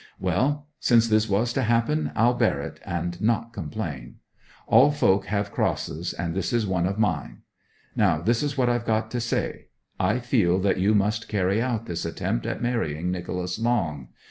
Well, since this was to happen, I'll bear it, and not complain. All volk have crosses, and this is one of mine. Now, this is what I've got to say I feel that you must carry out this attempt at marrying Nicholas Long.